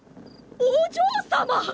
お嬢様ッ！